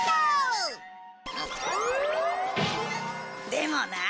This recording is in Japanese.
でもなあ。